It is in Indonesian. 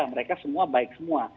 mereka semua baik semua